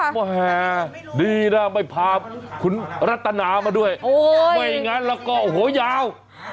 มอแฮดีนะไปพาคุณรัตนามาด้วยไม่งั้นเราก็โอ้โหยาว